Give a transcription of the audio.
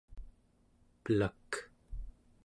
pelak